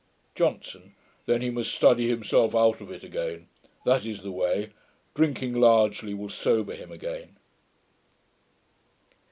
JOHNSON. 'Then he must study himself out of it again. That is the way. Drinking largely will sober him again.'